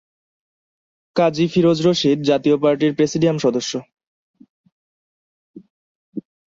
কাজী ফিরোজ রশীদ জাতীয় পার্টির প্রেসিডিয়াম সদস্য।